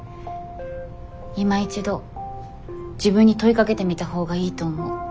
いま一度自分に問いかけてみたほうがいいと思う。